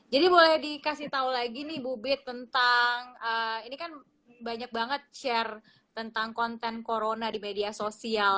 jadi boleh dikasih tahu lagi nih bu bit tentang ini kan banyak banget share tentang konten corona di media sosial